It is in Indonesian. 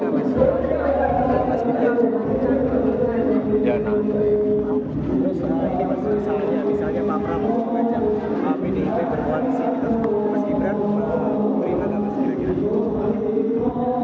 mas gibran berinat apa segera gera itu